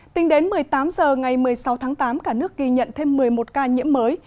tính đến một mươi tám h ngày một mươi sáu tháng tám cả nước ghi nhận thêm một mươi một ca nhiễm mới